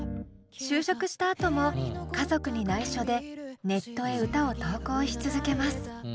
就職したあとも家族に内緒でネットへ歌を投稿し続けます。